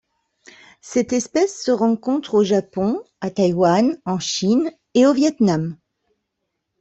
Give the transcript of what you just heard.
Cette espèce se rencontre au Japon, a Taïwan, en Chine et au Viêt Nam.